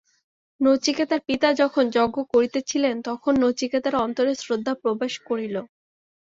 নচিকেতার পিতা যখন যজ্ঞ করিতেছিলেন, তখন নচিকেতার অন্তরে শ্রদ্ধা প্রবেশ করিল।